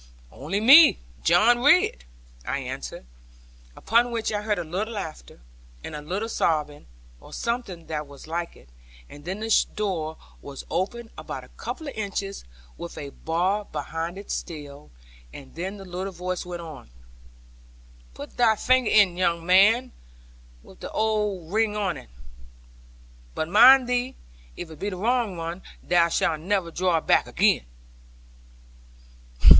'Only me, John Ridd,' I answered; upon which I heard a little laughter, and a little sobbing, or something that was like it; and then the door was opened about a couple of inches, with a bar behind it still; and then the little voice went on, 'Put thy finger in, young man, with the old ring on it. But mind thee, if it be the wrong one, thou shalt never draw it back again.'